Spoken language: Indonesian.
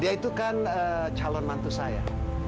dia itu kan calon mantu saya